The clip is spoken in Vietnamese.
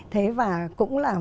thế và cũng là